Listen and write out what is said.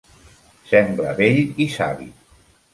Sembla vell i savi.